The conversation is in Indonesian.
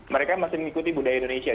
mereka masih mengikuti budaya indonesia